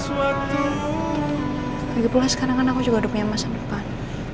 lagipula sekarang kan aku juga udah punya masa depan